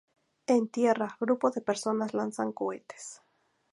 En tierra, grupos de personas lanzan cohetes.